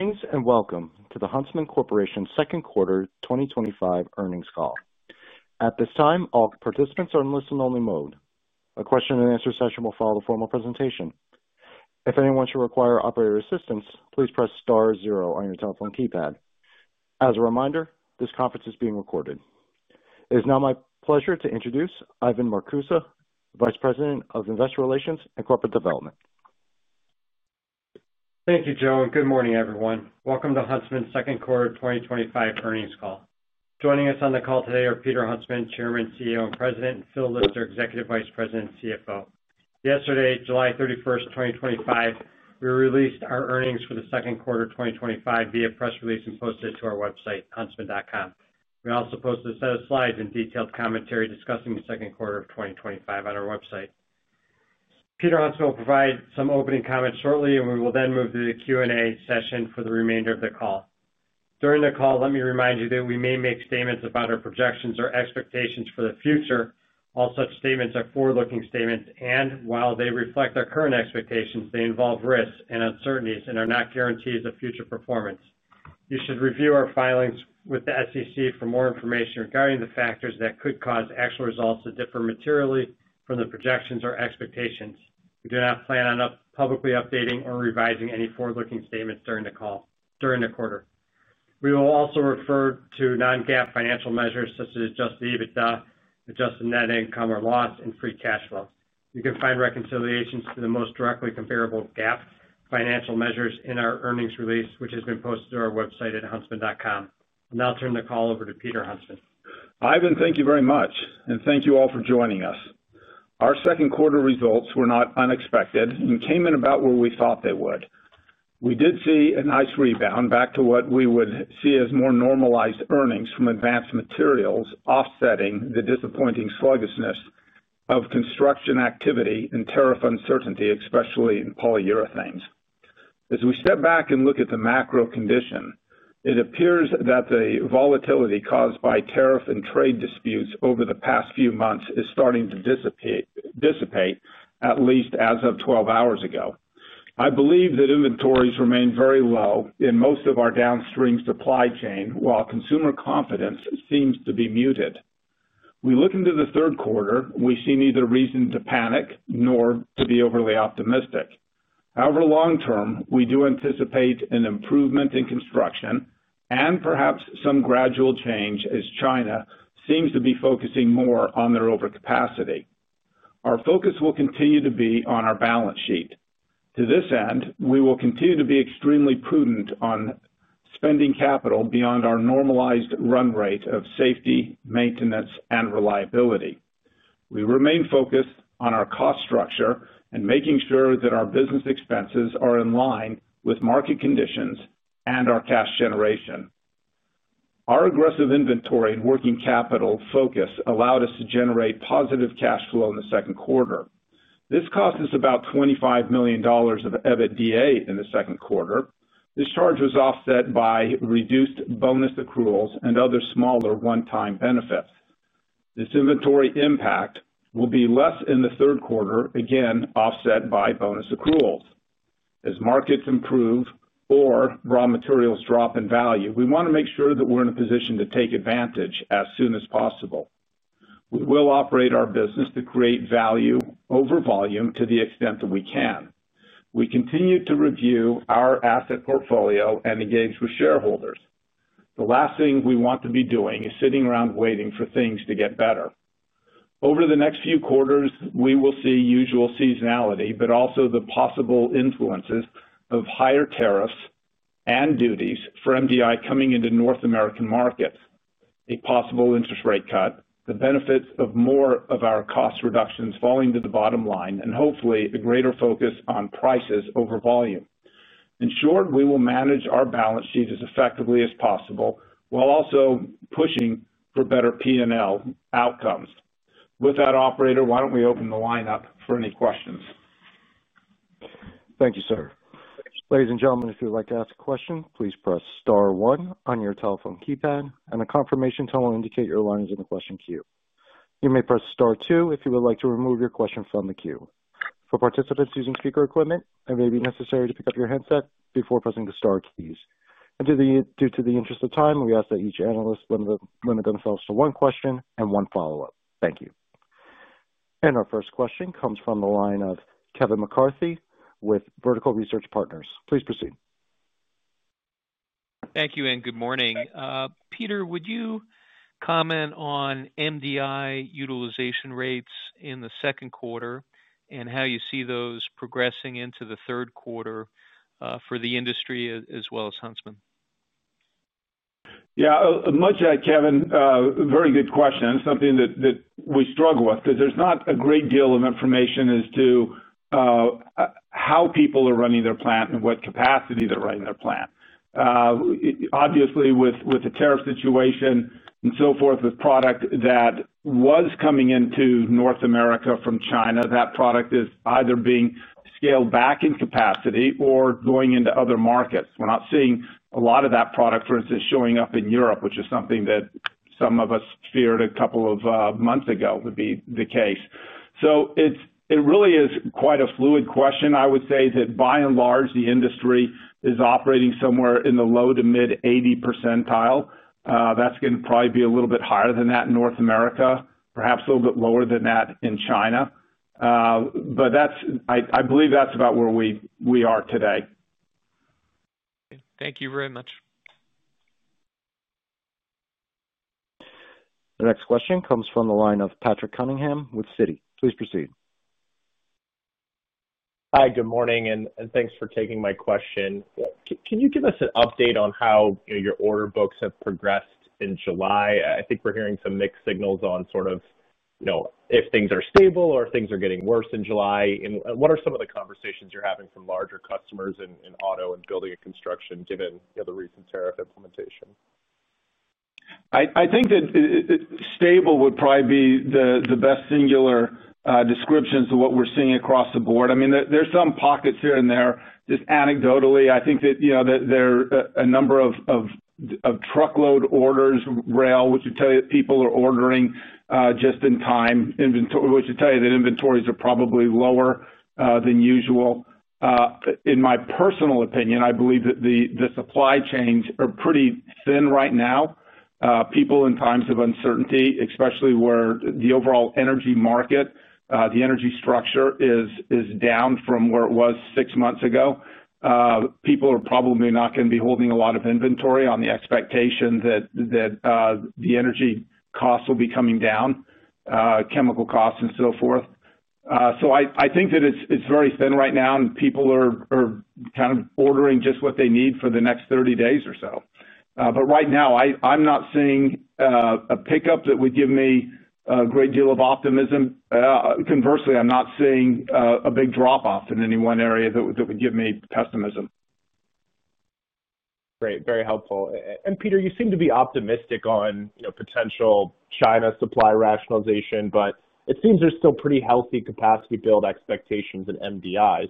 Thanks and welcome to the Huntsman Corporation's second quarter 2025 earnings call. At this time, all participants are in listen-only mode. A question and answer session will follow the formal presentation. If anyone should require operator assistance, please press star zero on your telephone keypad. As a reminder, this conference is being recorded. It is now my pleasure to introduce Ivan Marcuse, Vice President of Investor Relations and Corporate Development. Thank you, Joe. Good morning, everyone. Welcome to Huntsman's second quarter 2025 earnings call. Joining us on the call today are Peter Huntsman, Chairman, CEO and President, and Phil Lister, Executive Vice President and CFO. Yesterday, July 31, 2025, we released our earnings for the second quarter 2025 via press release and posted it to our website, huntsman.com. We also posted a set of slides and detailed commentary discussing the second quarter of 2025 on our website. Peter Huntsman will provide some opening comments shortly. We will then move to the Q&A session for the remainder of the call. During the call, let me remind you that we may make statements about our projections or expectations for the future. All such statements are forward-looking statements, and while they reflect our current expectations, they involve risks and uncertainties and are not guarantees of future performance. You should review our filings with the SEC for more information regarding the factors that could cause actual results to differ materially from the projections or expectations. We do not plan on publicly updating or revising any forward-looking statements during the call or during the quarter. We will also refer to non-GAAP financial measures such as adjusted EBITDA, adjusted net income or loss, and free cash flow. You can find reconciliations to the most directly comparable GAAP financial measures in our earnings release, which has been posted to our website at huntsman.com. I'll turn the call over to Peter Huntsman. Ivan, thank you very much, and thank you all for joining us. Our second quarter results were not unexpected and came in about where we thought they would. We did see a nice rebound back to what we would see as more normalized earnings from advanced materials, offsetting the disappointing sluggishness of construction activity and tariff uncertainty, especially in polyurethanes. As we step back and look at the macro condition, it appears that the volatility caused by tariff and trade disputes over the past few months is starting to dissipate, at least as of 12 hours ago. I believe that inventories remain very low in most of our downstream supply chain, while consumer confidence seems to be muted. We look into the third quarter; we see neither reason to panic nor to be overly optimistic. However, long term, we do anticipate an improvement in construction and perhaps some gradual change as China seems to be focusing more on their overcapacity. Our focus will continue to be on our balance sheet. To this end, we will continue to be extremely prudent on spending capital beyond our normalized run rate of safety, maintenance, and reliability. We remain focused on our cost structure and making sure that our business expenses are in line with market conditions and our cash generation. Our aggressive inventory and working capital focus allowed us to generate positive cash flow in the second quarter. This cost us about $25 million of EBITDA in the second quarter. This charge was offset by reduced bonus accruals and other smaller one-time benefits. This inventory impact will be less in the third quarter, again offset by bonus accruals. As markets improve or raw materials drop in value, we want to make sure that we're in a position to take advantage as soon as possible. We will operate our business to create value over volume to the extent that we can. We continue to review our asset portfolio and engage with shareholders. The last thing we want to be doing is sitting around waiting for things to get better. Over the next few quarters, we will see usual seasonality, but also the possible influences of higher tariffs and duties for MDI coming into North American markets, a possible interest rate cut, the benefits of more of our cost reductions falling to the bottom line, and hopefully a greater focus on prices over volume. In short, we will manage our balance sheet as effectively as possible while also pushing for better P&L outcomes. With that, operator, why don't we open the line up for any questions? Thank you, sir. Ladies and gentlemen, if you would like to ask a question, please press star one on your telephone keypad, and a confirmation tone will indicate your line is in the question queue. You may press star two if you would like to remove your question from the queue. For participants using speaker equipment, it may be necessary to pick up your headset before pressing the star keys. Due to the interest of time, we ask that each analyst limit themselves to one question and one follow-up. Thank you. Our first question comes from the line of Kevin McCarthy with Vertical Research Partners. Please proceed. Thank you and good morning. Peter, would you comment on MDI utilization rates in the second quarter and how you see those progressing into the third quarter for the industry as well as Huntsman? Yeah, much to add, Kevin. Very good question. It's something that we struggle with because there's not a great deal of information as to how people are running their plant and what capacity they're running their plant. Obviously, with the tariff situation and so forth, the product that was coming into North America from China, that product is either being scaled back in capacity or going into other markets. We're not seeing a lot of that product showing up in Europe, which is something that some of us feared a couple of months ago would be the case. It really is quite a fluid question. I would say that by and large, the industry is operating somewhere in the low to mid 80% range. That's going to probably be a little bit higher than that in North America, perhaps a little bit lower than that in China. I believe that's about where we are today. Thank you very much. The next question comes from the line of Patrick Cunningham with Citi. Please proceed. Hi, good morning, and thanks for taking my question. Can you give us an update on how your order books have progressed in July? I think we're hearing some mixed signals on, you know, if things are stable or if things are getting worse in July. What are some of the conversations you're having from larger customers in auto and building and construction, given the recent tariff implementation? I think that stable would probably be the best singular description as to what we're seeing across the board. There are some pockets here and there, just anecdotally. I think that there are a number of truckload orders, rail, which would tell you people are ordering just in time, which would tell you that inventories are probably lower than usual. In my personal opinion, I believe that the supply chains are pretty thin right now. People in times of uncertainty, especially where the overall energy market, the energy structure is down from where it was six months ago, are probably not going to be holding a lot of inventory on the expectation that the energy costs will be coming down, chemical costs and so forth. I think that it's very thin right now, and people are kind of ordering just what they need for the next 30 days or so. Right now, I'm not seeing a pickup that would give me a great deal of optimism. Conversely, I'm not seeing a big drop-off in any one area that would give me pessimism. Great, very helpful. Peter, you seem to be optimistic on potential China supply rationalization, but it seems there's still pretty healthy capacity build expectations in MDI.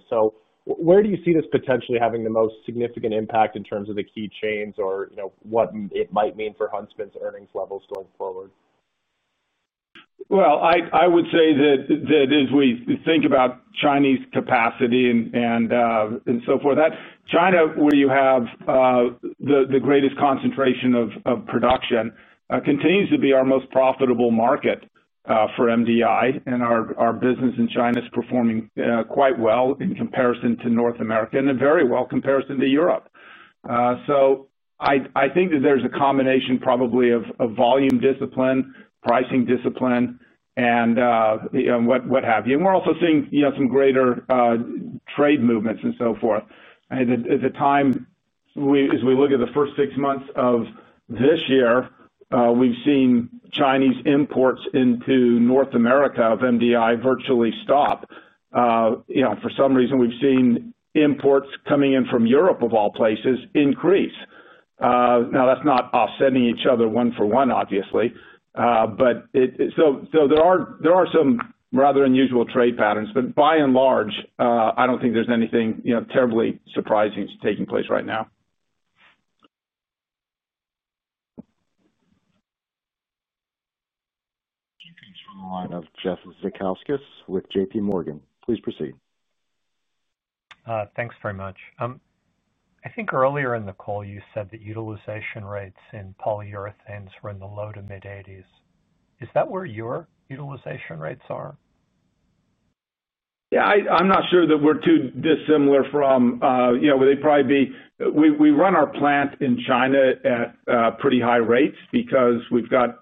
Where do you see this potentially having the most significant impact in terms of the key chains or what it might mean for Huntsman's earnings levels going forward? As we think about Chinese capacity and so forth, China, where you have the greatest concentration of production, continues to be our most profitable market for MDI. Our business in China is performing quite well in comparison to North America and very well in comparison to Europe. I think that there's a combination probably of volume discipline, pricing discipline, and what have you. We're also seeing some greater trade movements and so forth. At the time, as we look at the first six months of this year, we've seen Chinese imports into North America of MDI virtually stop. For some reason, we've seen imports coming in from Europe of all places increase. That's not offsetting each other one for one, obviously. There are some rather unusual trade patterns. By and large, I don't think there's anything terribly surprising taking place right now. Thank you. Thanks from the line of Jeff Zekauskas with J.P. Morgan. Please proceed. Thanks very much. I think earlier in the call, you said that utilization rates in polyurethanes were in the low to mid 80%. Is that where your utilization rates are? I'm not sure that we're too dissimilar from, you know, it'd probably be, we run our plants in China at pretty high rates because we've got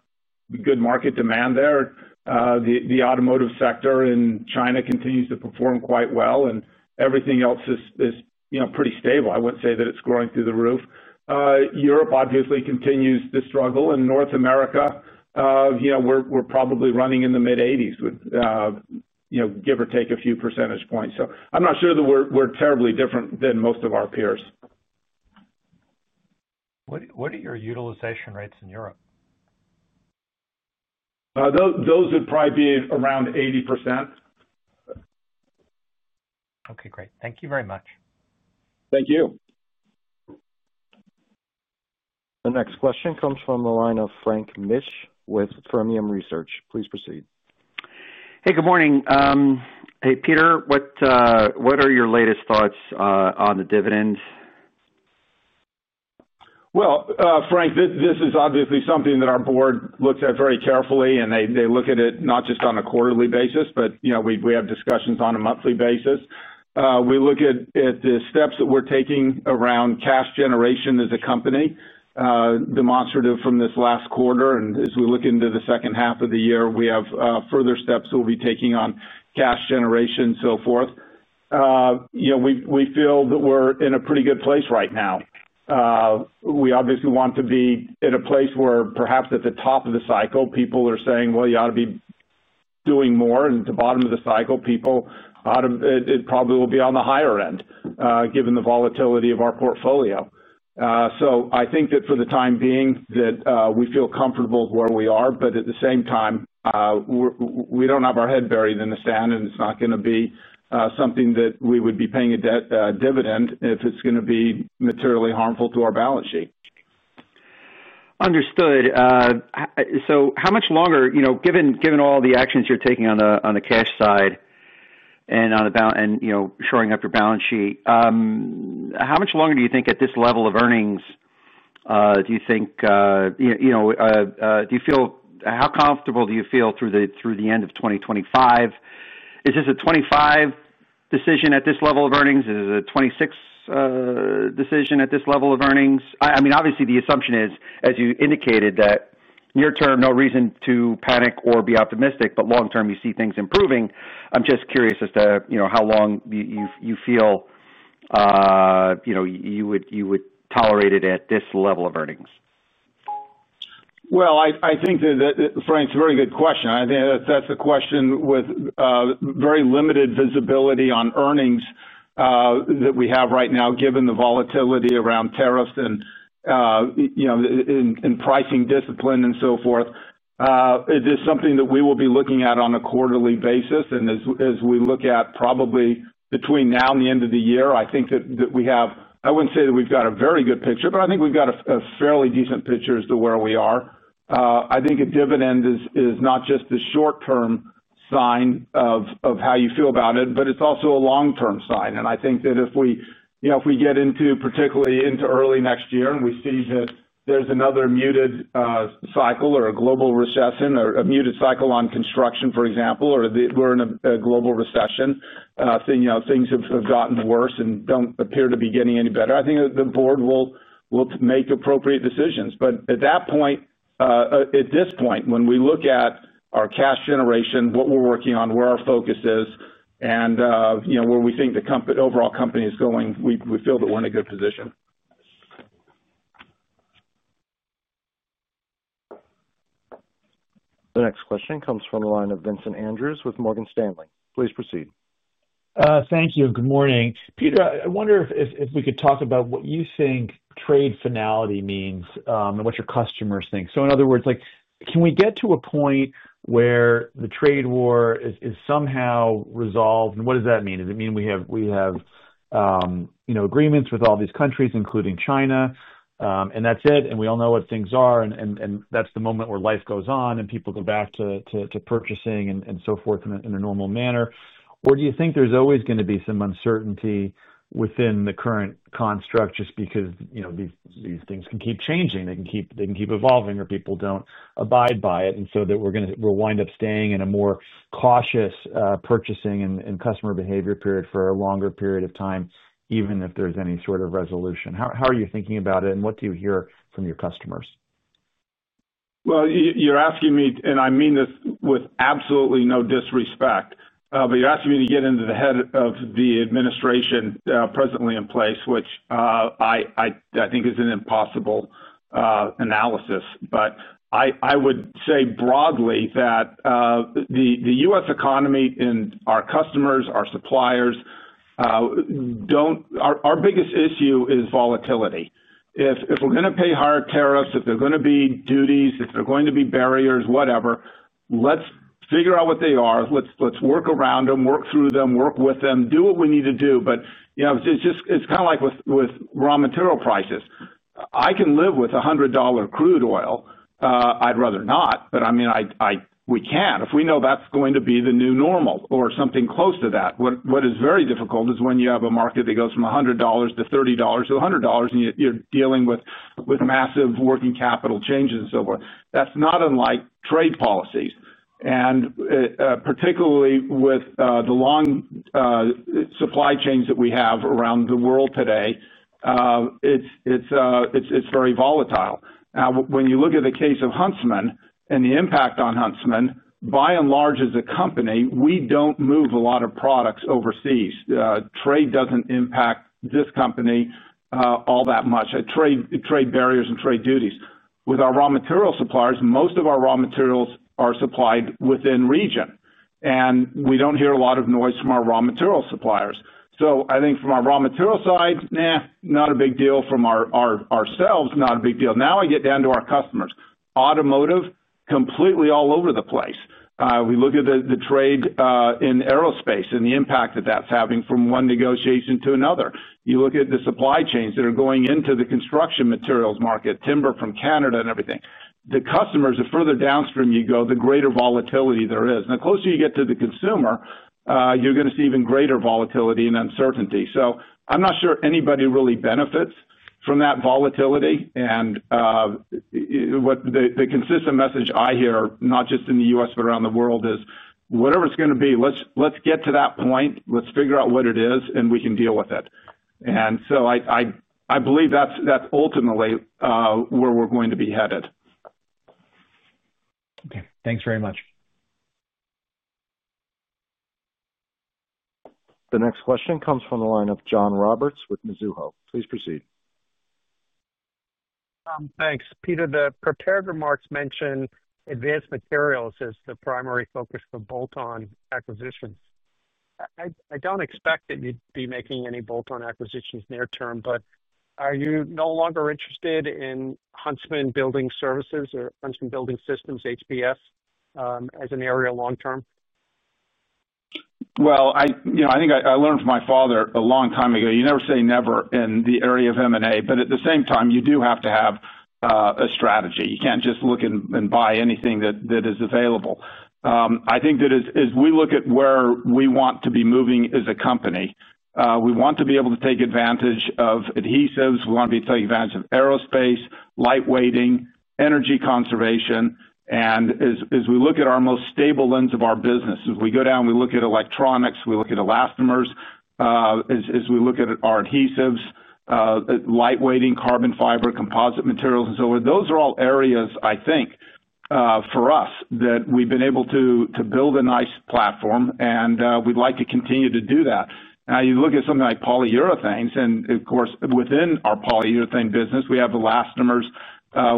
good market demand there. The automotive sector in China continues to perform quite well, and everything else is pretty stable. I wouldn't say that it's growing through the roof. Europe obviously continues to struggle, and in North America, we're probably running in the mid 80%, give or take a few percentage points. I'm not sure that we're terribly different than most of our peers. What are your utilization rates in Europe? Those would probably be around 80%. Okay, great. Thank you very much. Thank you. The next question comes from the line of Frank Mitsch with Fermium Research. Please proceed. Good morning. Hey Peter, what are your latest thoughts on the dividend? Frank, this is obviously something that our Board looks at very carefully, and they look at it not just on a quarterly basis. We have discussions on a monthly basis. We look at the steps that we're taking around cash generation as a company, demonstrated from this last quarter. As we look into the second half of the year, we have further steps that we'll be taking on cash generation and so forth. We feel that we're in a pretty good place right now. We obviously want to be at a place where perhaps at the top of the cycle, people are saying, well, you ought to be doing more, and at the bottom of the cycle, people, it probably will be on the higher end, given the volatility of our portfolio. I think that for the time being, we feel comfortable with where we are, but at the same time, we don't have our head buried in the sand, and it's not going to be something that we would be paying a dividend if it's going to be materially harmful to our balance sheet. Understood. How much longer, given all the actions you're taking on the cash side and on the balance, and shoring up your balance sheet, how much longer do you think at this level of earnings? Do you think, do you feel, how comfortable do you feel through the end of 2025? Is this a 2025 decision at this level of earnings? Is this a 2026 decision at this level of earnings? Obviously, the assumption is, as you indicated, that near term, no reason to panic or be optimistic, but long term, you see things improving. I'm just curious as to how long you feel you would tolerate it at this level of earnings. Frank, it's a very good question. That's a question with very limited visibility on earnings that we have right now, given the volatility around tariffs and, you know, in pricing discipline and so forth. It's just something that we will be looking at on a quarterly basis. As we look at probably between now and the end of the year, I think that we have, I wouldn't say that we've got a very good picture, but I think we've got a fairly decent picture as to where we are. I think a dividend is not just a short-term sign of how you feel about it, but it's also a long-term sign. I think that if we, you know, if we get into, particularly into early next year, and we see that there's another muted cycle or a global recession, a muted cycle on construction, for example, or we're in a global recession, then, you know, things have gotten worse and don't appear to be getting any better. I think the board will make appropriate decisions. At this point, when we look at our cash generation, what we're working on, where our focus is, and, you know, where we think the overall company is going, we feel that we're in a good position. The next question comes from the line of Vincent Andrews with Morgan Stanley. Please proceed. Thank you. Good morning. Peter, I wonder if we could talk about what you think trade finality means and what your customers think. In other words, can we get to a point where the trade war is somehow resolved? What does that mean? Does it mean we have agreements with all these countries, including China, and that's it? We all know what things are, and that's the moment where life goes on and people go back to purchasing and so forth in a normal manner? Do you think there's always going to be some uncertainty within the current construct just because these things can keep changing, they can keep evolving, or people don't abide by it, so that we're going to wind up staying in a more cautious purchasing and customer behavior period for a longer period of time, even if there's any sort of resolution? How are you thinking about it, and what do you hear from your customers? You are asking me, and I mean this with absolutely no disrespect, but you are asking me to get into the head of the administration presently in place, which I think is an impossible analysis. I would say broadly that the U.S. economy and our customers, our suppliers, our biggest issue is volatility. If we are going to pay higher tariffs, if there are going to be duties, if there are going to be barriers, whatever, let's figure out what they are. Let's work around them, work through them, work with them, do what we need to do. It is just, it is kind of like with raw material prices. I can live with $100 crude oil. I would rather not, but we can if we know that is going to be the new normal or something close to that. What is very difficult is when you have a market that goes from $100 to $30 to $100, and you are dealing with massive working capital changes and so forth. That is not unlike trade policies. Particularly with the long supply chains that we have around the world today, it is very volatile. Now, when you look at the case of Huntsman and the impact on Huntsman, by and large, as a company, we do not move a lot of products overseas. Trade does not impact this company all that much. Trade barriers and trade duties. With our raw material suppliers, most of our raw materials are supplied within region. We do not hear a lot of noise from our raw material suppliers. I think from our raw material side, not a big deal. From ourselves, not a big deal. Now I get down to our customers. Automotive, completely all over the place. We look at the trade in aerospace and the impact that is having from one negotiation to another. You look at the supply chains that are going into the construction materials market, timber from Canada and everything. The customers, the further downstream you go, the greater volatility there is. The closer you get to the consumer, you are going to see even greater volatility and uncertainty. I am not sure anybody really benefits from that volatility. The consistent message I hear, not just in the U.S. but around the world, is whatever it is going to be, let's get to that point, let's figure out what it is, and we can deal with it. I believe that is ultimately where we are going to be headed. Okay, thanks very much. The next question comes from the line of John Roberts with Mizuho Securities. Please proceed. Thanks. Peter, the prepared remarks mention advanced materials as the primary focus for bolt-on acquisitions. I don't expect that you'd be making any bolt-on acquisitions near term, but are you no longer interested in Huntsman Building Systems, HBS, as an area long term? I think I learned from my father a long time ago, you never say never in the area of M&A, but at the same time, you do have to have a strategy. You can't just look and buy anything that is available. I think that as we look at where we want to be moving as a company, we want to be able to take advantage of adhesives. We want to be taking advantage of aerospace, lightweighting, energy conservation. As we look at our most stable lens of our business, as we go down, we look at electronics, we look at elastomers, as we look at our adhesives, lightweighting, carbon fiber, composite materials, and so forth, those are all areas, I think, for us that we've been able to build a nice platform, and we'd like to continue to do that. You look at something like polyurethanes, and of course, within our polyurethane business, we have elastomers.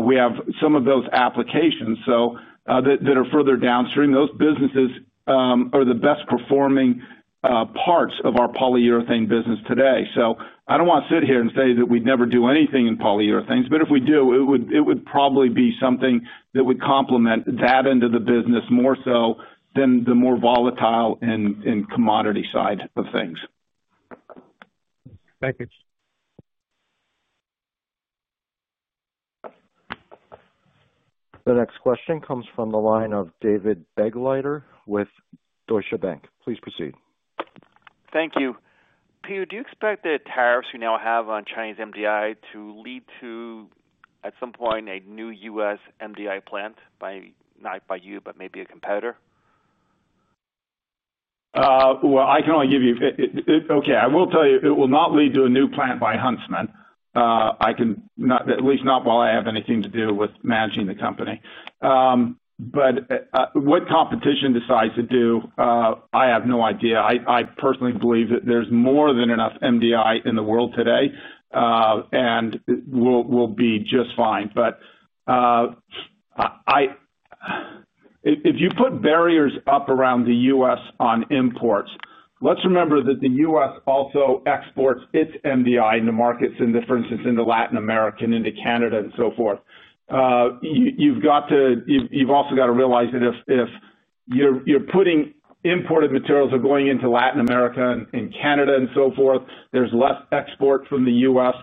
We have some of those applications. Those that are further downstream, those businesses are the best performing parts of our polyurethane business today. I don't want to sit here and say that we'd never do anything in polyurethanes, but if we do, it would probably be something that would complement that end of the business more so than the more volatile and commodity side of things. Thank you. The next question comes from the line of David Begleiter with Deutsche Bank. Please proceed. Thank you. Peter, do you expect the tariffs we now have on Chinese MDI to lead to, at some point, a new U.S. MDI plant? Not by you, but maybe a competitor? I can only give you... Okay, I will tell you it will not lead to a new plant by Huntsman. At least not while I have anything to do with managing the company. What competition decides to do, I have no idea. I personally believe that there's more than enough MDI in the world today, and we'll be just fine. If you put barriers up around the U.S. on imports, let's remember that the U.S. also exports its MDI into markets, for instance, into Latin America, into Canada, and so forth. You've got to, you've also got to realize that if you're putting imported materials that are going into Latin America and Canada and so forth, there's less export from the U.S.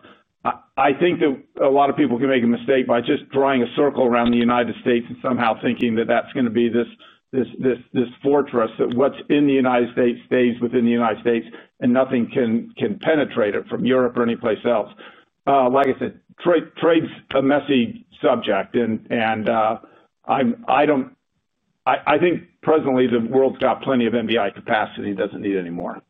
I think that a lot of people can make a mistake by just drawing a circle around the United States and somehow thinking that that's going to be this fortress, that what's in the United States stays within the United States, and nothing can penetrate it from Europe or anyplace else. Like I said, trade's a messy subject, and I think presently the world's got plenty of MDI capacity, it doesn't need any more.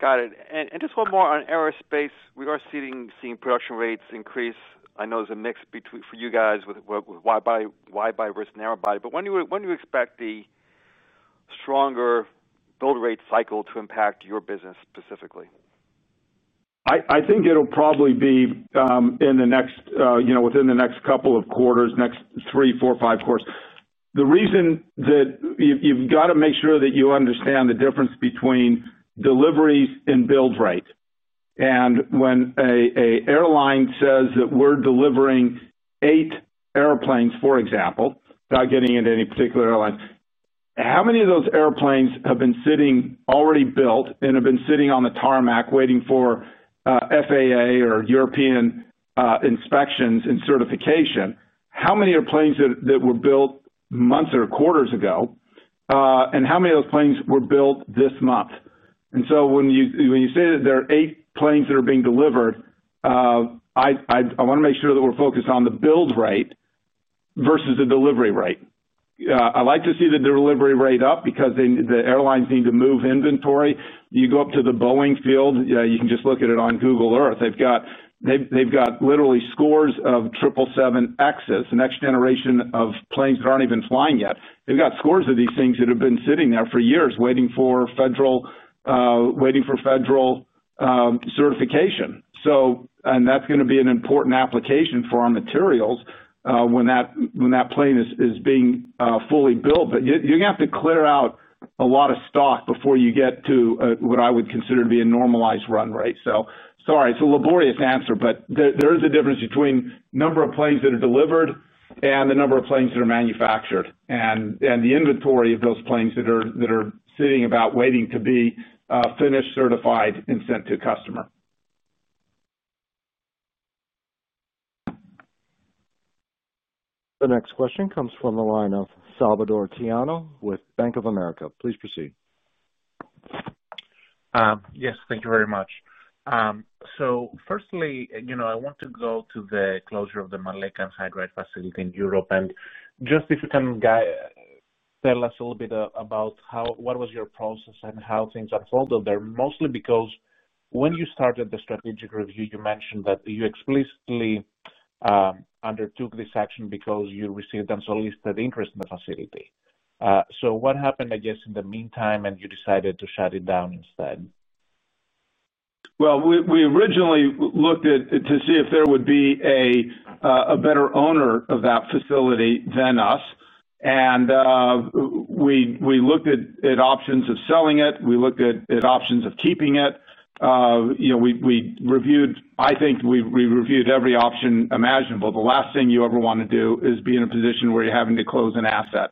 Got it. Just one more on aerospace. We are seeing production rates increase. I know there's a mix for you guys with why buy versus never buy. When do you expect the stronger build rate cycle to impact your business specifically? I think it'll probably be in the next, you know, within the next couple of quarters, next three, four, five quarters. The reason that you've got to make sure that you understand the difference between deliveries and build rate. When an airline says that we're delivering eight airplanes, for example, without getting into any particular airline, how many of those airplanes have been sitting already built and have been sitting on the tarmac waiting for FAA or European inspections and certification? How many are planes that were built months or quarters ago? How many of those planes were built this month? When you say that there are eight planes that are being delivered, I want to make sure that we're focused on the build rate versus the delivery rate. I like to see the delivery rate up because the airlines need to move inventory. You go up to the Boeing field, you can just look at it on Google Earth. They've got literally scores of 777Xs, next generation of planes that aren't even flying yet. They've got scores of these things that have been sitting there for years waiting for federal certification. That's going to be an important application for our materials when that plane is being fully built. You're going to have to clear out a lot of stock before you get to what I would consider to be a normalized run rate. Sorry, it's a laborious answer, but there is a difference between the number of planes that are delivered and the number of planes that are manufactured and the inventory of those planes that are sitting about waiting to be finished, certified, and sent to customer. The next question comes from the line of Salvator Tiano with Bank of America. Please proceed. Yes, thank you very much. Firstly, I want to go to the closure of the maleic anhydride facility in Europe. If you can tell us a little bit about what was your process and how things unfolded there, mostly because when you started the strategic review, you mentioned that you explicitly undertook this action because you received unsolicited interest in the facility. What happened, I guess, in the meantime, and you decided to shut it down instead? We originally looked at it to see if there would be a better owner of that facility than us. We looked at options of selling it and we looked at options of keeping it. You know, we reviewed, I think we reviewed every option imaginable. The last thing you ever want to do is be in a position where you're having to close an asset.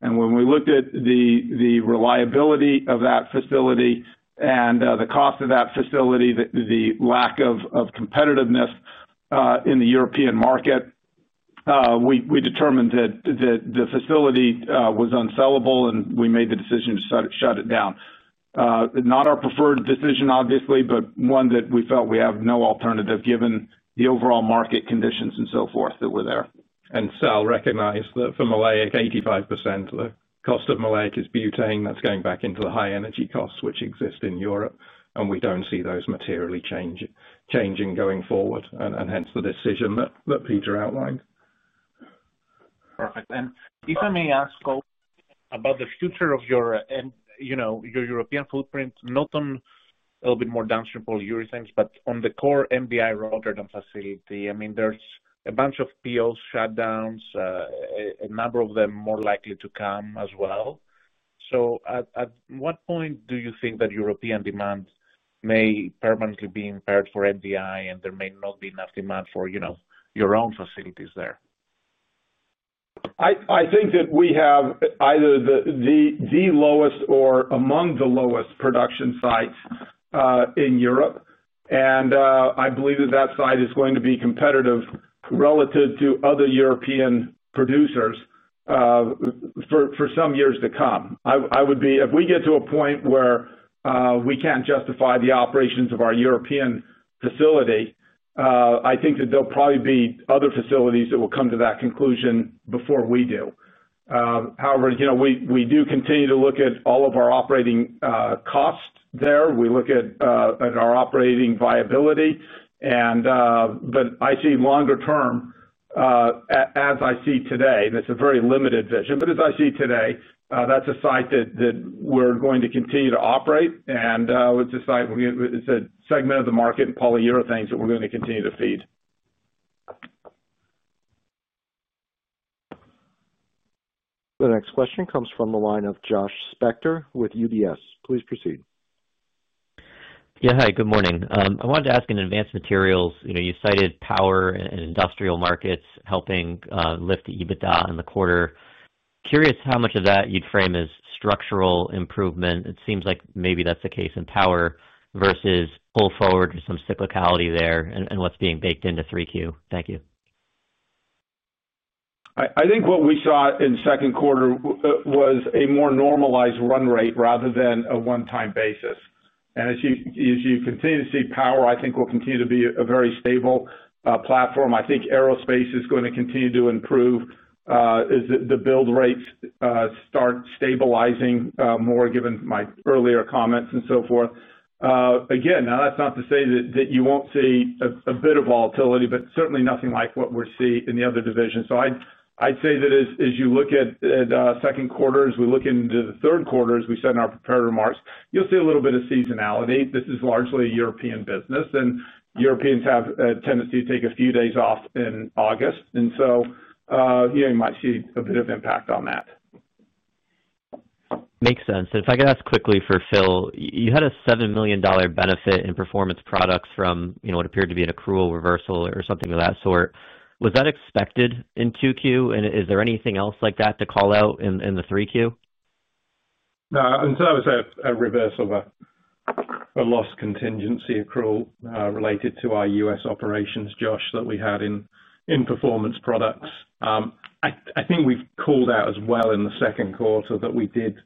When we looked at the reliability of that facility and the cost of that facility, the lack of competitiveness in the European market, we determined that the facility was unsellable, and we made the decision to shut it down. Not our preferred decision, obviously, but one that we felt we have no alternative given the overall market conditions and so forth that were there. Sal recognized that for maleic anhydride, 85% of the cost of maleic anhydride is butane. That's going back into the high energy costs which exist in Europe, and we don't see those materially changing going forward, hence the decision that Peter outlined. All right. If I may ask, Scott, about the future of your European footprint, not on a little bit more downstream polyurethanes, but on the core MDI Rotterdam facility, I mean, there's a bunch of PO shutdowns, a number of them more likely to come as well. At what point do you think that European demand may permanently be impaired for MDI, and there may not be enough demand for your own facilities there? I think that we have either the lowest or among the lowest production sites in Europe, and I believe that that site is going to be competitive relative to other European producers for some years to come. If we get to a point where we can't justify the operations of our European facility, I think that there'll probably be other facilities that will come to that conclusion before we do. However, we do continue to look at all of our operating costs there. We look at our operating viability. As I see longer term, as I see today, that's a very limited vision. As I see today, that's a site that we're going to continue to operate, and it's a segment of the market and polyurethanes that we're going to continue to feed. The next question comes from the line of Josh Spector with UBS. Please proceed. Yeah, hi, good morning. I wanted to ask in advanced materials, you cited power and industrial markets helping lift the EBITDA in the quarter. Curious how much of that you'd frame as structural improvement. It seems like maybe that's the case in power versus pull forward to some cyclicality there, and what's being baked into 3Q. Thank you. I think what we saw in the second quarter was a more normalized run rate rather than a one-time basis. As you continue to see power, I think we'll continue to be a very stable platform. I think aerospace is going to continue to improve. The build rates start stabilizing more, given my earlier comments and so forth. Again, that's not to say that you won't see a bit of volatility, but certainly nothing like what we're seeing in the other divisions. I'd say that as you look at second quarters, we look into the third quarters, we said in our prepared remarks, you'll see a little bit of seasonality. This is largely a European business, and Europeans have a tendency to take a few days off in August. You might see a bit of impact on that. Makes sense. If I could ask quickly for Phil, you had a $7 million benefit in performance products from what appeared to be an accrual reversal or something of that sort. Was that expected in 2Q? Is there anything else like that to call out in the 3Q? No, I would say a reversal of a loss contingency accrual related to our U.S. operations, Josh, that we had in performance products. I think we've called out as well in the second quarter that we did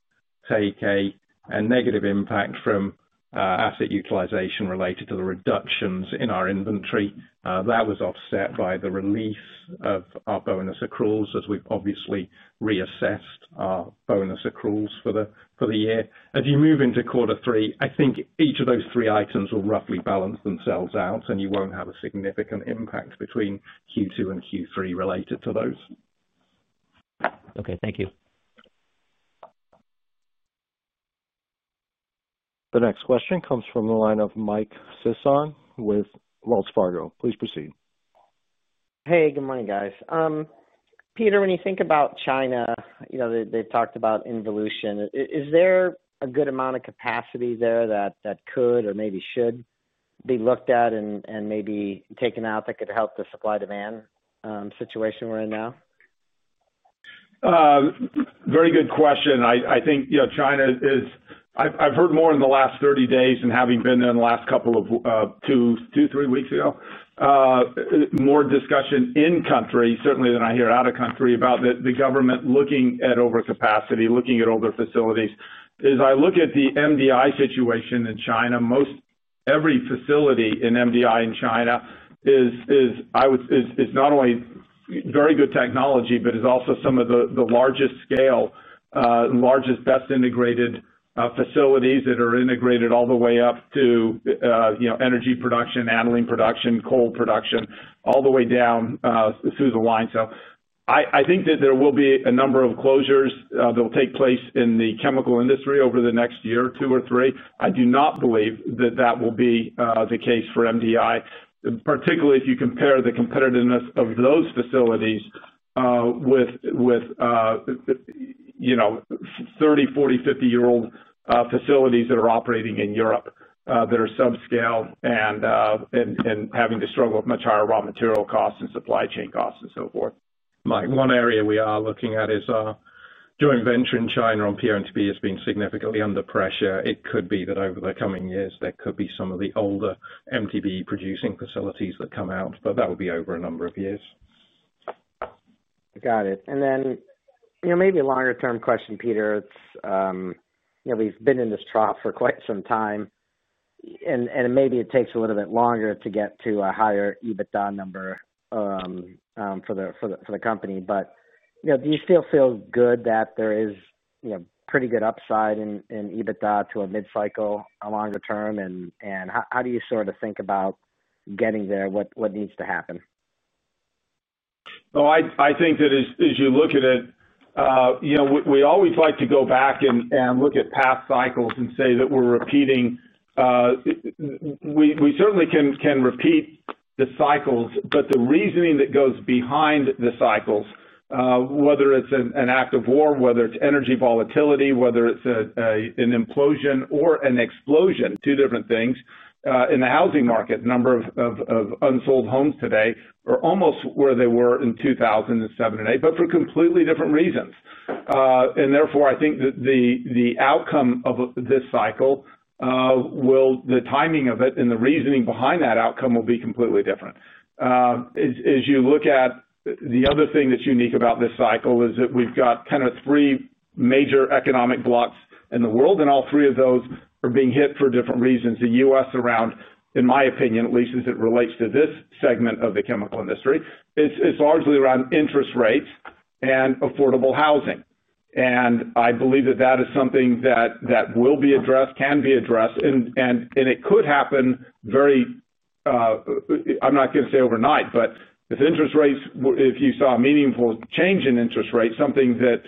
take a negative impact from asset utilization related to the reductions in our inventory. That was offset by the release of our bonus accruals as we obviously reassessed our bonus accruals for the year. As you move into quarter three, I think each of those three items will roughly balance themselves out, and you won't have a significant impact between Q2 and Q3 related to those. Okay, thank you. The next question comes from the line of Mike Sison with Wells Fargo. Please proceed. Hey, good morning guys. Peter, when you think about China, you know, they talked about involution. Is there a good amount of capacity there that could or maybe should be looked at and maybe taken out that could help the supply-demand situation we're in now? Very good question. I think, you know, China is, I've heard more in the last 30 days than having been there in the last couple of two or three weeks ago. More discussion in country, certainly than I hear out of country, about the government looking at overcapacity, looking at older facilities. As I look at the MDI situation in China, most every facility in MDI in China is not only very good technology, but is also some of the largest scale, largest, best integrated facilities that are integrated all the way up to, you know, energy production, ethylene production, coal production, all the way down through the line. I think that there will be a number of closures that will take place in the chemical industry over the next year, two or three. I do not believe that that will be the case for MDI, particularly if you compare the competitiveness of those facilities with, you know, 30, 40, 50-year-old facilities that are operating in Europe that are subscale and having to struggle with much higher raw material costs and supply chain costs and so forth. Mike, one area we are looking at is during venturing China on MDI has been significantly under pressure. It could be that over the coming years, there could be some of the older MDI producing facilities that come out, but that'll be over a number of years. Got it. Maybe a longer term question, Peter. We've been in this trough for quite some time, and maybe it takes a little bit longer to get to a higher EBITDA number for the company. Do you still feel good that there is pretty good upside in EBITDA to a mid-cycle, a longer term? How do you sort of think about getting there? What needs to happen? I think that as you look at it, you know, we always like to go back and look at past cycles and say that we're repeating. We certainly can repeat the cycles, but the reasoning that goes behind the cycles, whether it's an active war, whether it's energy volatility, whether it's an implosion or an explosion, two different things. In the housing market, the number of unsold homes today are almost where they were in 2007 and 2008, but for completely different reasons. Therefore, I think that the outcome of this cycle will, the timing of it, and the reasoning behind that outcome will be completely different. As you look at the other thing that's unique about this cycle is that we've got kind of three major economic blocks in the world, and all three of those are being hit for different reasons. The U.S. around, in my opinion, at least as it relates to this segment of the chemical industry, it's largely around interest rates and affordable housing. I believe that that is something that will be addressed, can be addressed, and it could happen very, I'm not going to say overnight, but with interest rates, if you saw a meaningful change in interest rates, something that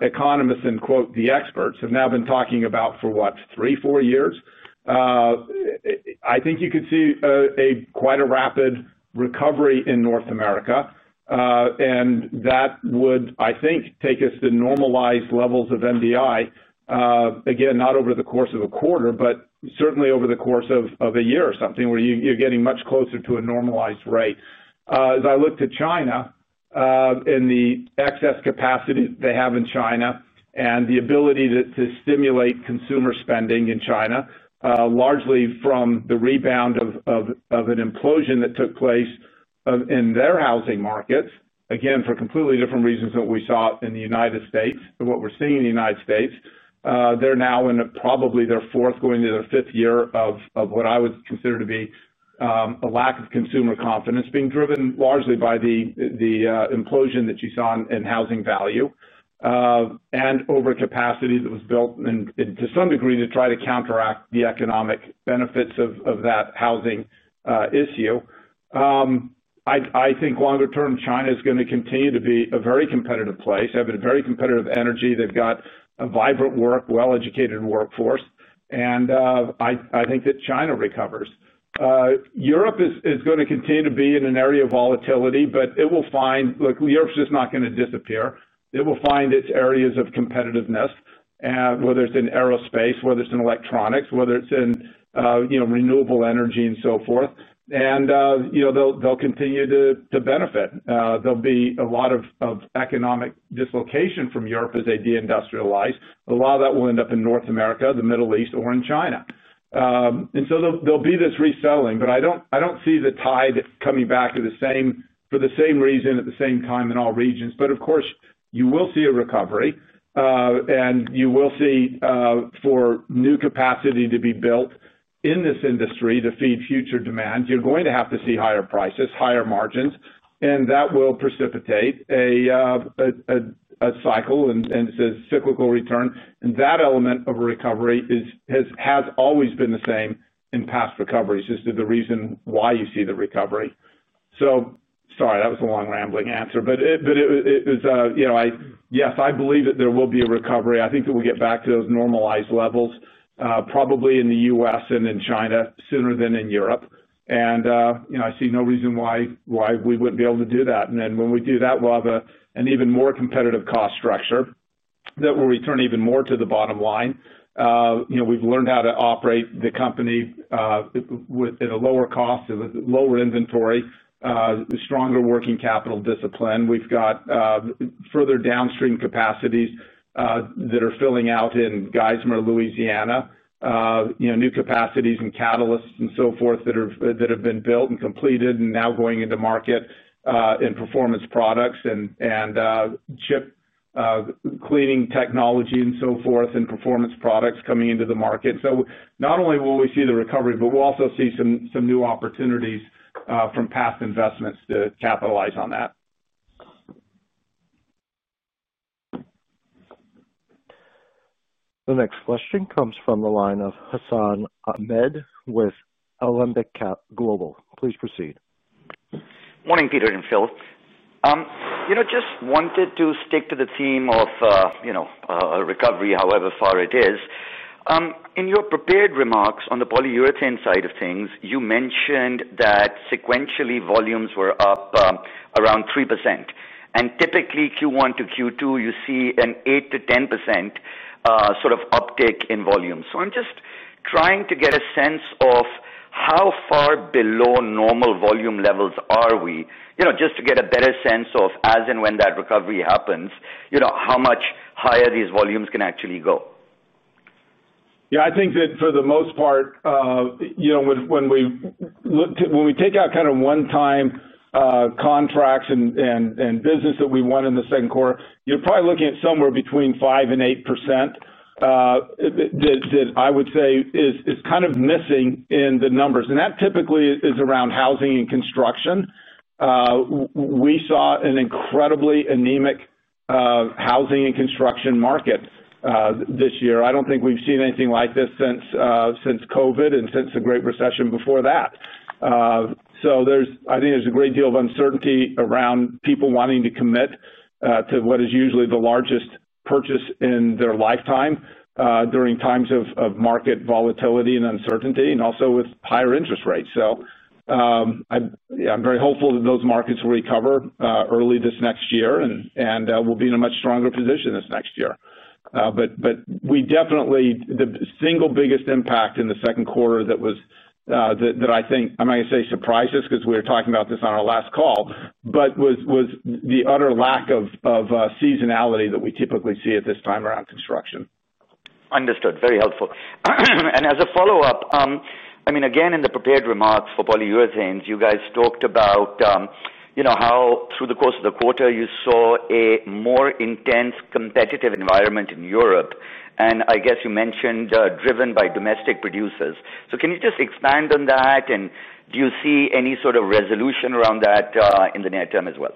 economists and, quote, the experts have now been talking about for what, three, four years, I think you could see quite a rapid recovery in North America. That would, I think, take us to normalized levels of MDI, again, not over the course of a quarter, but certainly over the course of a year or something where you're getting much closer to a normalized rate. As I look to China, in the excess capacity they have in China and the ability to stimulate consumer spending in China, largely from the rebound of an implosion that took place in their housing markets, again, for completely different reasons than what we saw in the United States, and what we're seeing in the United States. They're now in probably their fourth, going into their fifth year of what I would consider to be a lack of consumer confidence being driven largely by the implosion that you saw in housing value and overcapacity that was built and to some degree to try to counteract the economic benefits of that housing issue. I think longer term, China is going to continue to be a very competitive place. They have a very competitive energy. They've got a vibrant, well-educated workforce. I think that China recovers. Europe is going to continue to be in an area of volatility, but it will find, look, Europe's just not going to disappear. It will find its areas of competitiveness, whether it's in aerospace, whether it's in electronics, whether it's in renewable energy and so forth. They'll continue to benefit. There will be a lot of economic dislocation from Europe as they deindustrialize. A lot of that will end up in North America, the Middle East, or in China. There will be this reselling, but I don't see the tide coming back for the same reason at the same time in all regions. Of course, you will see a recovery, and you will see for new capacity to be built in this industry to feed future demands. You're going to have to see higher prices, higher margins, and that will precipitate a cycle and it's a cyclical return. That element of a recovery has always been the same in past recoveries as to the reason why you see the recovery. Sorry, that was a long rambling answer, but yes, I believe that there will be a recovery. I think that we'll get back to those normalized levels, probably in the U.S. and in China sooner than in Europe. I see no reason why we wouldn't be able to do that. When we do that, we'll have an even more competitive cost structure that will return even more to the bottom line. We've learned how to operate the company at a lower cost, with lower inventory, stronger working capital discipline. We've got further downstream capacities that are filling out in Geismar, Louisiana, new capacities and catalysts and so forth that have been built and completed and now going into market and performance products and chip cleaning technology and so forth and performance products coming into the market. Not only will we see the recovery, but we'll also see some new opportunities from past investments to capitalize on that. The next question comes from the line of Hassan Ahmed with Alembic Global. Please proceed. Morning, Peter and Phil. I just wanted to stick to the theme of recovery, however far it is. In your prepared remarks on the polyurethane side of things, you mentioned that sequentially volumes were up around 3%. Typically, Q1 to Q2, you see an 8% to 10% sort of uptake in volume. I'm just trying to get a sense of how far below normal volume levels are we, just to get a better sense of as and when that recovery happens, how much higher these volumes can actually go. Yeah, I think that for the most part, when we look to, when we take out kind of one-time contracts and business that we won in the same quarter, you're probably looking at somewhere between 5% and 8% that I would say is kind of missing in the numbers. That typically is around housing and construction. We saw an incredibly anemic housing and construction market this year. I don't think we've seen anything like this since COVID and since the Great Recession before that. I think there's a great deal of uncertainty around people wanting to commit to what is usually the largest purchase in their lifetime during times of market volatility and uncertainty, and also with higher interest rates. I'm very hopeful that those markets will recover early this next year and will be in a much stronger position this next year. We definitely, the single biggest impact in the second quarter that was, I think, I'm not going to say surprised us because we were talking about this on our last call, was the utter lack of seasonality that we typically see at this time around construction. Understood. Very helpful. As a follow-up, in the prepared remarks for polyurethanes, you guys talked about how through the course of the quarter you saw a more intense competitive environment in Europe. I guess you mentioned driven by domestic producers. Can you just expand on that? Do you see any sort of resolution around that in the near term as well?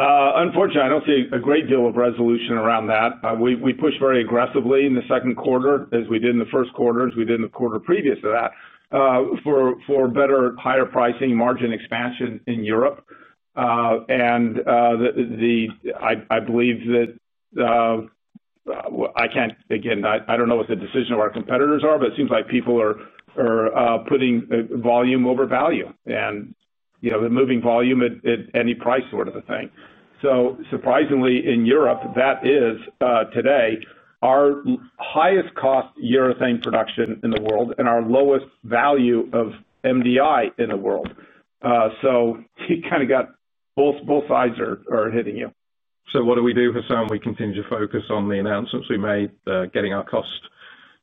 Unfortunately, I don't see a great deal of resolution around that. We pushed very aggressively in the second quarter, as we did in the first quarter, as we did in the quarter previous to that, for better, higher pricing margin expansion in Europe. I believe that, I can't, again, I don't know what the decision of our competitors are, but it seems like people are putting volume over value. They're moving volume at any price, sort of a thing. Surprisingly, in Europe, that is today our highest cost urethane production in the world and our lowest value of MDI in the world. You kind of got both sides are hitting you. We continue to focus on the announcements we made, getting our cost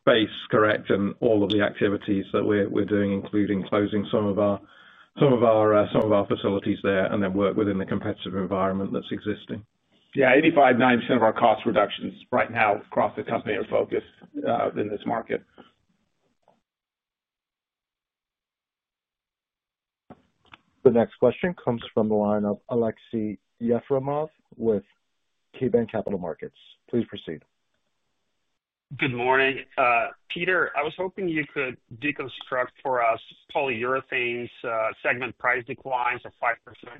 base correct, and all of the activities that we're doing, including closing some of our facilities there, and then work within the competitive environment that's existing. Yeah, 85%, 9% of our cost reductions right now across the company are focused in this market. The next question comes from the line of Aleksey Yefremov with KeyBanc Capital Markets. Please proceed. Good morning. Peter, I was hoping you could deconstruct for us polyurethanes segment price declines of 5%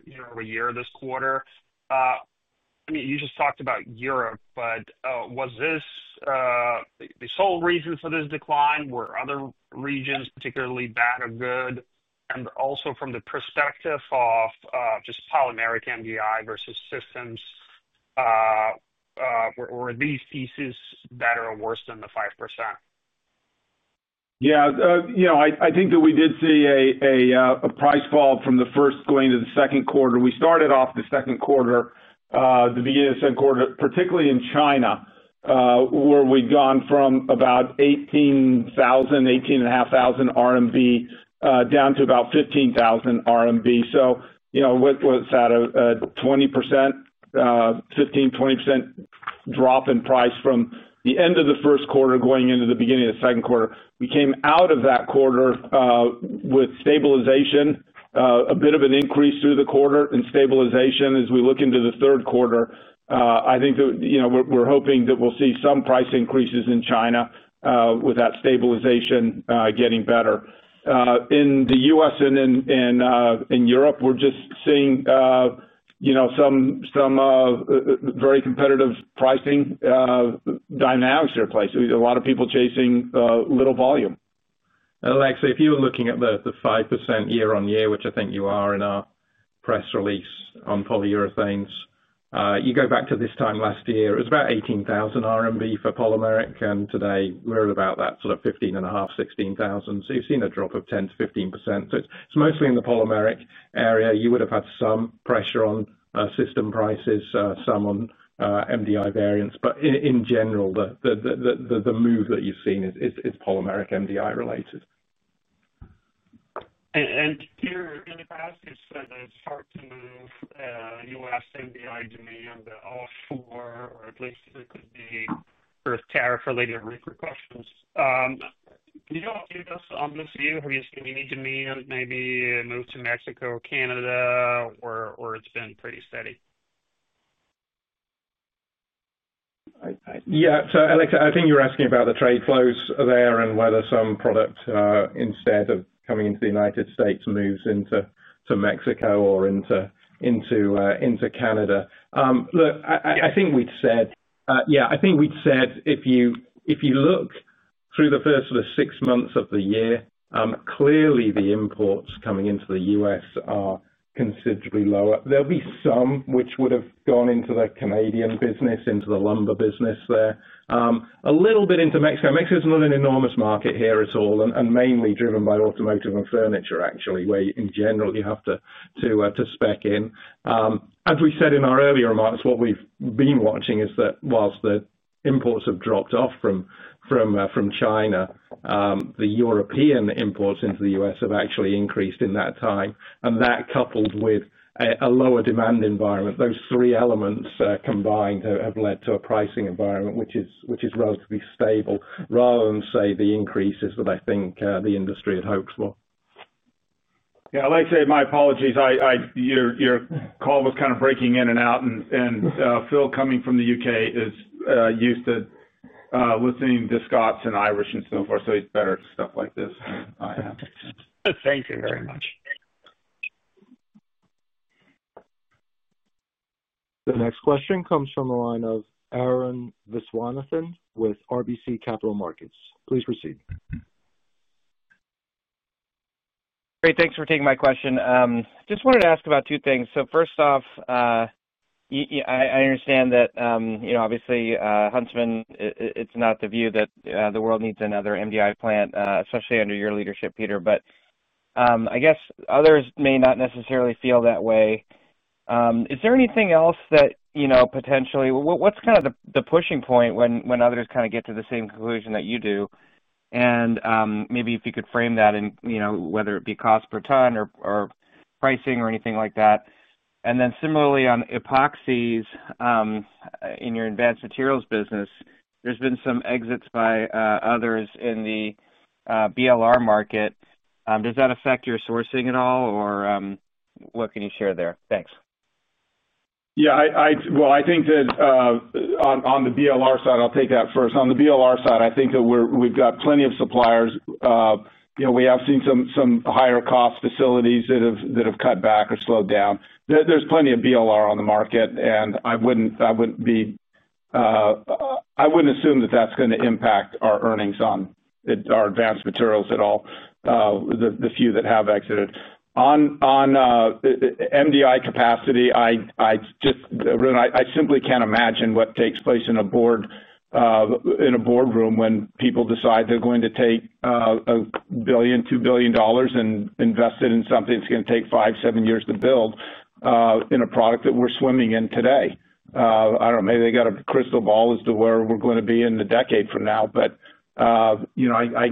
year over year this quarter. You just talked about Europe, was this the sole reason for this decline? Were other regions particularly bad or good? Also, from the perspective of just polymeric MDI versus systems, were these pieces better or worse than the 5%? Yeah, I think that we did see a price fall from the first going to the second quarter. We started off the second quarter, the beginning of the second quarter, particularly in China, where we'd gone from about 18,000, 18,500 RMB down to about 15,000 RMB. What's that, a 20%, 15% to 20% drop in price from the end of the first quarter going into the beginning of the second quarter. We came out of that quarter with stabilization, a bit of an increase through the quarter and stabilization as we look into the third quarter. I think that we're hoping that we'll see some price increases in China with that stabilization getting better. In the U.S. and in Europe, we're just seeing some very competitive pricing dynamics in place. A lot of people chasing little volume. Aleksey, if you were looking at the 5% year on year, which I think you are in our press release on polyurethanes, you go back to this time last year, it was about 18,000 RMB for polymeric, and today we're at about that sort of 15,500, 16,000, so you've seen a drop of 10% to 15%. It's mostly in the polymeric area. You would have had some pressure on system prices, some on MDI variants, but in general, the move that you've seen is polymeric MDI related. As you said, those 14 million U.S. MDI offshore, or at least it could be sort of tariff-related repercussions. Do you know if those obvious views have just continued to me and maybe moved to Mexico or Canada, or it's been pretty steady? Yeah, so Alex, I think you're asking about the trade flows there and whether some product instead of coming into the U.S. moves into Mexico or into Canada. Look, I think we'd said, yeah, I think we'd said if you looked through the first sort of six months of the year, clearly the imports coming into the U.S. are considerably lower. There'd be some which would have gone into the Canadian business, into the lumber business there, a little bit into Mexico. Mexico is not an enormous market here at all, and mainly driven by automotive and furniture, actually, where in general you have to spec in. As we said in our earlier remarks, what we've been watching is that whilst the imports have dropped off from China, the European imports into the U.S. have actually increased in that time. That, coupled with a lower demand environment, those three elements combined have led to a pricing environment which is relatively stable, rather than say the increases that I think the industry had hoped for. Yeah, like I said, my apologies, your call was kind of breaking in and out, and Phil coming from the UK is used to listening to Scots and Irish and so forth, so he's better at stuff like this. Thank you very much. The next question comes from the line of Arun Viswanathan with RBC Capital Markets. Please proceed. Great, thanks for taking my question. I just wanted to ask about two things. First off, I understand that, obviously, Huntsman, it's not the view that the world needs another MDI plant, especially under your leadership, Peter, but I guess others may not necessarily feel that way. Is there anything else that, potentially, what's kind of the pushing point when others get to the same conclusion that you do? Maybe if you could frame that in whether it be cost per ton or pricing or anything like that. Similarly, on epoxies in your advanced materials business, there's been some exits by others in the BLR market. Does that affect your sourcing at all, or what can you share there? Thanks. I think that on the BLR side, I'll take that first. On the BLR side, I think that we've got plenty of suppliers. We have seen some higher cost facilities that have cut back or slowed down. There's plenty of BLR on the market, and I wouldn't assume that that's going to impact our earnings on our advanced materials at all, the few that have exited. On MDI capacity, I just, I simply can't imagine what takes place in a board room when people decide they're going to take $1 billion, $2 billion and invest it in something that's going to take five, seven years to build in a product that we're swimming in today. I don't know, maybe they got a crystal ball as to where we're going to be in the decade from now, but I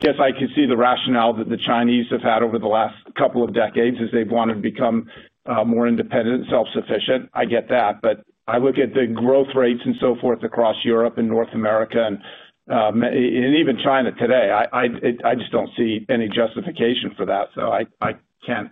guess I could see the rationale that the Chinese have had over the last couple of decades as they've wanted to become more independent, self-sufficient. I get that, but I look at the growth rates and so forth across Europe and North America and even China today. I just don't see any justification for that. I can't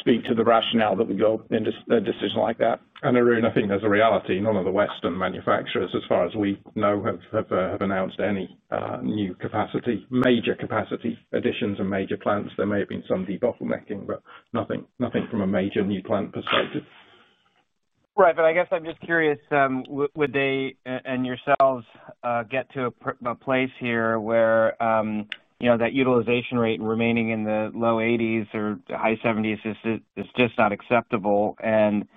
speak to the rationale that would go into a decision like that. I really don't think there's a reality. None of the Western manufacturers, as far as we know, have announced any new capacity, major capacity additions, and major plans. There may have been some debottlenecking, but nothing from a major new plant perspective. Right, but I guess I'm just curious, would they and yourselves get to a place here where that utilization rate remaining in the low 80% or high 70% is just not acceptable and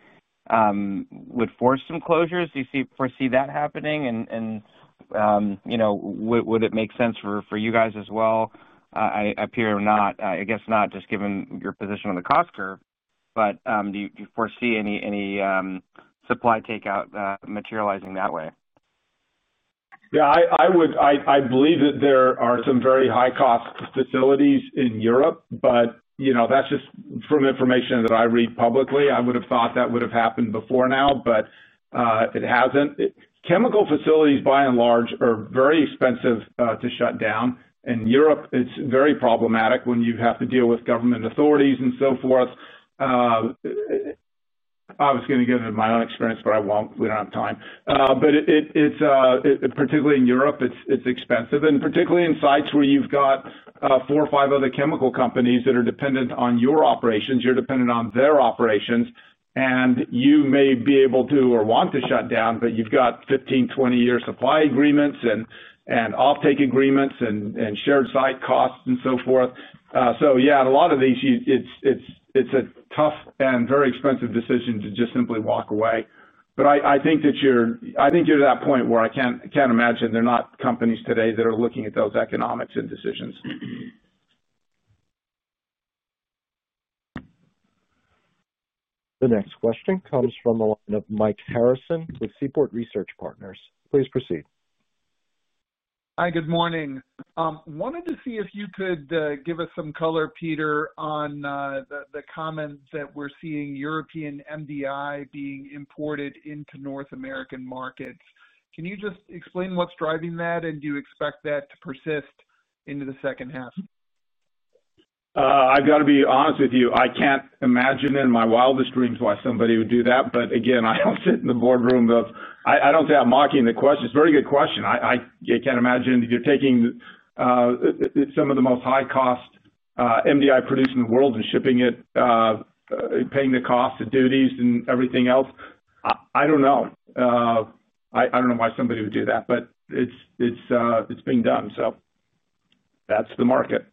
would force some closures? Do you foresee that happening? Would it make sense for you guys as well? I guess not just given your position on the cost curve, but do you foresee any supply takeout materializing that way? Yeah, I believe that there are some very high cost facilities in Europe, but that's just from information that I read publicly. I would have thought that would have happened before now, but it hasn't. Chemical facilities by and large are very expensive to shut down. In Europe, it's very problematic when you have to deal with government authorities and so forth. It's particularly in Europe, it's expensive, and particularly in sites where you've got four or five other chemical companies that are dependent on your operations, you're dependent on their operations, and you may be able to or want to shut down, but you've got 15, 20-year supply agreements and offtake agreements and shared site costs and so forth. In a lot of these, it's a tough and very expensive decision to just simply walk away. I think that you're at that point where I can't imagine there are not companies today that are looking at those economics and decisions. The next question comes from a line of Mike Harrison with Seaport Research Partners. Please proceed. Hi, good morning. Wanted to see if you could give us some color, Peter, on the comments that we're seeing European MDI being imported into North American markets. Can you just explain what's driving that, and do you expect that to persist into the second half? I've got to be honest with you. I can't imagine in my wildest dreams why somebody would do that. I don't sit in the boardroom. I'm not mocking the question. It's a very good question. I can't imagine that you're taking some of the most high-cost MDI produced in the world and shipping it, paying the cost of duties and everything else. I don't know. I don't know why somebody would do that, but it's been done. That's the market.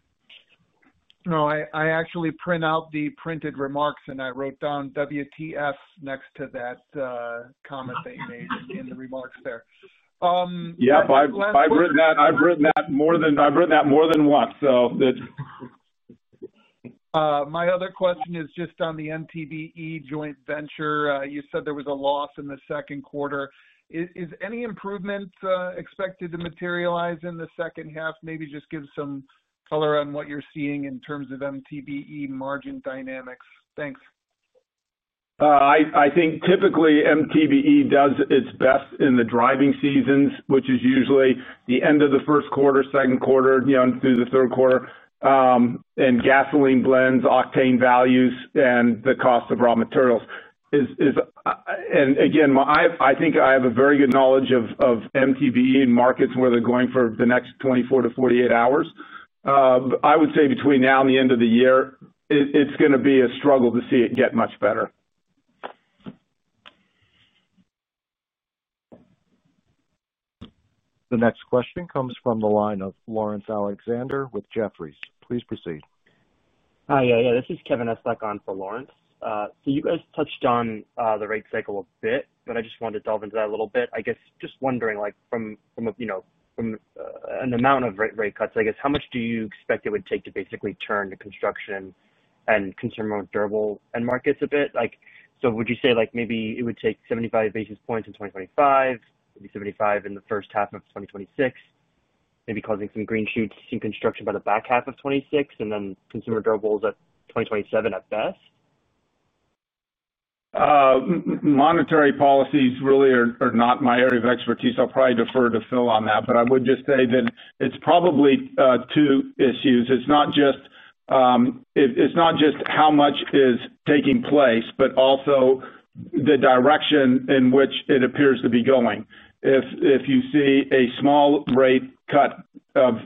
No, I actually print out the printed remarks, and I wrote down WTF next to that comment that you made in the remarks there. Yeah, I've written that more than once. My other question is just on the MTBE joint venture. You said there was a loss in the second quarter. Is any improvement expected to materialize in the second half? Maybe just give some color on what you're seeing in terms of MTBE margin dynamics. Thanks. I think typically MTBE does its best in the driving seasons, which is usually the end of the first quarter, second quarter, through the third quarter, and gasoline blends, octane values, and the cost of raw materials. I think I have a very good knowledge of MTBE in markets where they're going for the next 24 to 48 hours. I would say between now and the end of the year, it's going to be a struggle to see it get much better. The next question comes from the line of Lawrence Alexander with Jefferies. Please proceed. Hi, this is Kevin McCarthy on for Laurence. You guys touched on the rate cycle a bit, but I just wanted to delve into that a little bit. I guess just wondering, from an amount of rate cuts, how much do you expect it would take to basically turn to construction and consumer durable end markets a bit? Would you say maybe it would take 75 basis points in 2025, maybe 75 in the first half of 2026, maybe causing some green shoots in construction by the back half of 2026, and then consumer durables at 2027 at best? Monetary policies really are not my area of expertise. I'll probably defer to Phil on that, but I would just say that it's probably two issues. It's not just how much is taking place, but also the direction in which it appears to be going. If you see a small rate cut of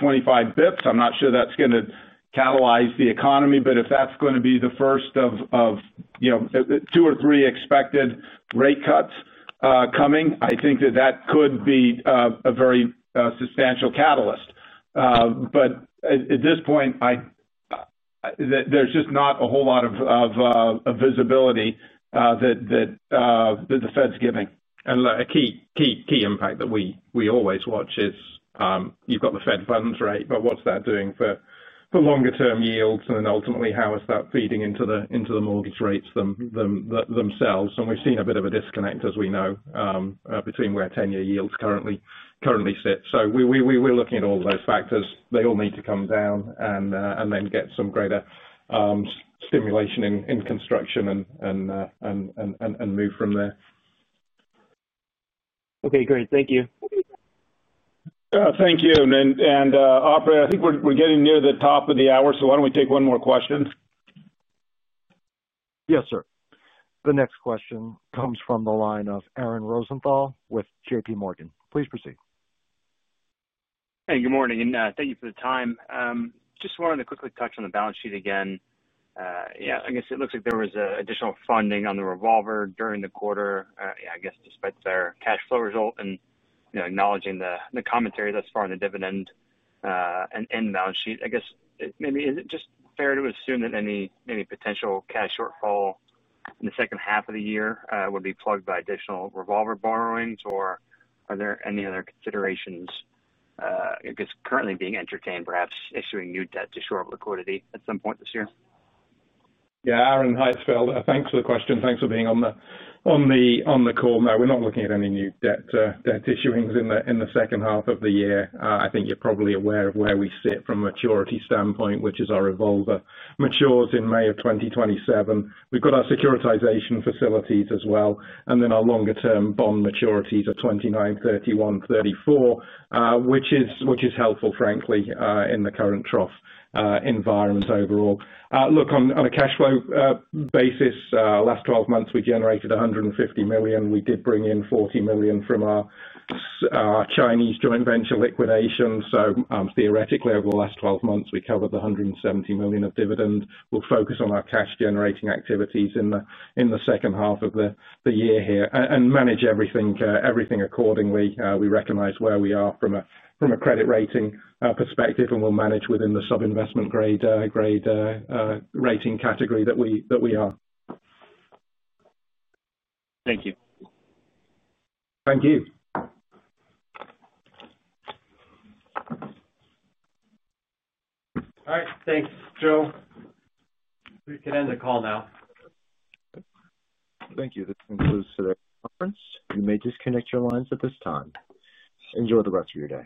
25 bps, I'm not sure that's going to catalyze the economy. If that's going to be the first of, you know, two or three expected rate cuts coming, I think that that could be a very substantial catalyst. At this point, there's just not a whole lot of visibility that the Fed's giving. A key impact that we always watch is you've got the Fed funds, right? What's that doing for longer-term yields? Ultimately, how is that feeding into the mortgage rates themselves? We've seen a bit of a disconnect, as we know, between where 10-year yields currently sit. We're looking at all of those factors. They all need to come down and then get some greater stimulation in construction and move from there. Okay, great. Thank you. Thank you. Operator, I think we're getting near the top of the hour, so why don't we take one more question? Yes, sir. The next question comes from the line of Aaron Weisbrod with J.P. Morgan. Please proceed. Good morning. Thank you for the time. I just wanted to quickly touch on the balance sheet again. It looks like there was additional funding on the revolver during the quarter. Despite their cash flow result and acknowledging the commentary thus far on the dividend and end balance sheet, is it just fair to assume that any potential cash shortfall in the second half of the year would be plugged by additional revolver borrowings, or are there any other considerations currently being entertained, perhaps issuing new debt to shore up liquidity at some point this year? Yeah, Aaron Weisbrod, thanks for the question. Thanks for being on the call, Matt. We're not looking at any new debt issuings in the second half of the year. I think you're probably aware of where we sit from a maturity standpoint, which is our revolver. Matures in May of 2027. We've got our securitization facilities as well, and then our longer-term bond maturities of 2029, 2031, 2034, which is helpful, frankly, in the current trough environment overall. Look, on a cash flow basis, the last 12 months, we generated $150 million. We did bring in $40 million from our Chinese joint venture liquidation. Theoretically, over the last 12 months, we covered the $170 million of dividend. We'll focus on our cash-generating activities in the second half of the year here and manage everything accordingly. We recognize where we are from a credit rating perspective, and we'll manage within the sub-investment grade rating category that we are. Thank you. Thank you. All right, thanks, Joel. We can end the call now. Thank you. This concludes today's conference. You may disconnect your lines at this time. Enjoy the rest of your day.